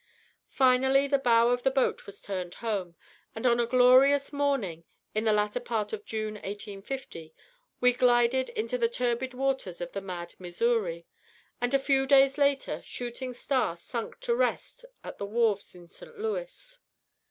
Finally the bow of the boat was turned home, and on a glorious morning, in the latter part of June, 1850, we glided into the turbid waters of the mad Missouri, and a few days later "Shooting Star" sunk to rest at the wharves in St. Louis.